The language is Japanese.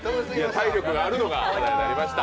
体力があるのが分かりました。